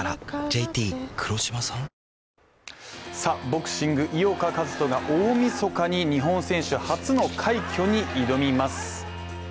ボクシング・井岡一翔が大みそかに日本選手初の快挙に挑みます！